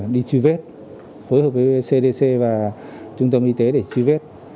đi truy vết phối hợp với cdc và trung tâm y tế để truy vết